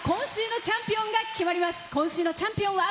今週のチャンピオンは。